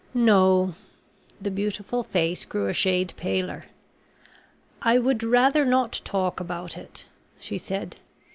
"No." The beautiful face grew a shade paler. "I would rather not talk about it," she said.